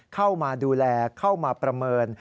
เข้ามาดูแลเข้ามาประเมิน